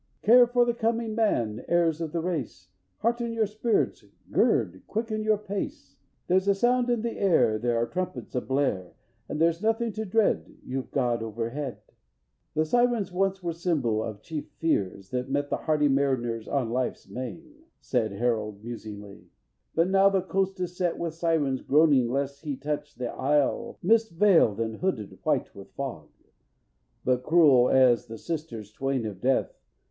_Care for the coming man, Heirs of the race, Hearten your spirits, Gird! quicken your pace! There's a sound in the air, There are trumpets ablare, But there's nothing to dread, You've God overhead._ "The Sirens once were symbol of chief fears That met the hardy mariner on life's main," Said Harold, musingly, "but now the coast Is set with sirens groaning lest he touch The isles mist veiled and hooded white with fog, But cruel as the Sisters twain of death.